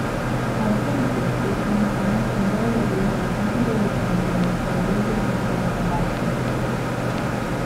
More current workstations almost invariably have integrated samplers or user sample playback features.